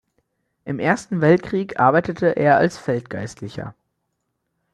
Im Ersten Weltkrieg arbeitete er als Feldgeistlicher.